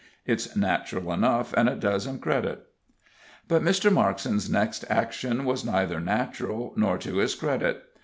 It's natural enough, and it does him credit." But Mr. Markson's next action was neither natural nor to his credit.